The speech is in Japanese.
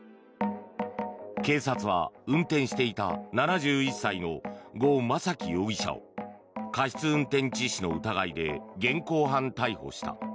警察は、運転していた７１歳の呉昌樹容疑者を過失運転致死の疑いで現行犯逮捕した。